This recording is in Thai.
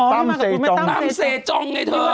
ต้ำเซจองต้ำเซจองไงเธอ